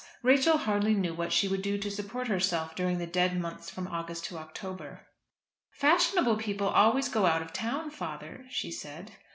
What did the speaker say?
Rachel hardly knew what she would do to support herself during the dead months from August to October. "Fashionable people always go out of town, father," she said.